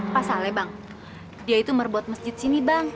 pasal ya bang dia itu merebuat masjid sini bang